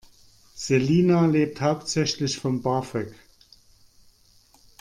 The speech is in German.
Selina lebt hauptsächlich von BAföG.